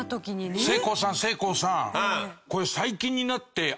せいこうさんせいこうさん。